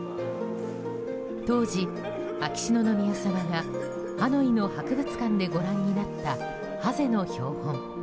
当時、秋篠宮さまがハノイの博物館でご覧になったハゼの標本。